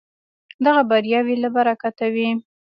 دغه بریاوې له برکته وې.